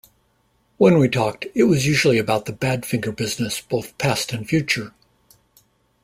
When we talked it was usually about the Badfinger business both past and future.